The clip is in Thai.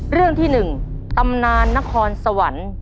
เรื่องที่๑ตำนานนครสวรรค์